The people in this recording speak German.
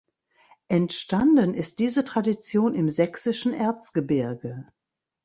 Entstanden ist diese Tradition im sächsischen Erzgebirge.